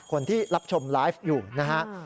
คนที่รับชมไลฟ์อยู่นะฮะ